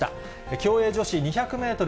競泳女子２００メートル